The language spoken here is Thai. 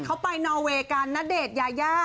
เขาไปนอเวย์กันณเดชน์ยายา